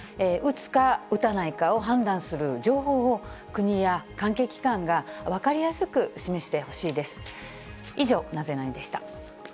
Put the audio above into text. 打つか打たないかを判断する情報を、国や関係機関が分かりやすく示してほしいです。